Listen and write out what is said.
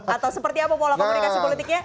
atau seperti apa pola komunikasi politiknya